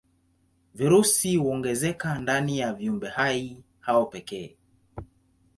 Virusi huongezeka ndani ya viumbehai hao pekee.